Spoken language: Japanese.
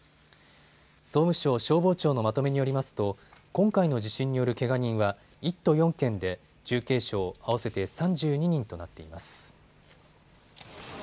総務省消防庁のまとめによりますと今回の地震によるけが人は１都４県で重軽傷合わせて３２人となっています。